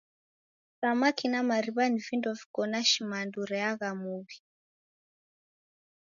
Samaki na mariw'a ni vindo viko na shimandu reagha muw'i.